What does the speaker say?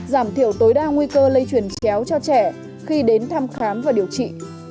giảm thiểu tối đa nguy cơ lây truyền chéo cho trẻ khi đến thăm khám và điều trị